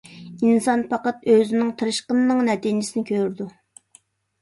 ئىنسان پەقەت ئۆزىنىڭ تىرىشقىنىنىڭ نەتىجىسىنى كۆرىدۇ.